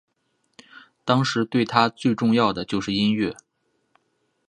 当时对他最重要的就是音乐。